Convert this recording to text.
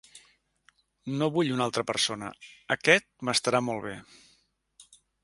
No vull una altra persona, aquest m'estarà molt bé.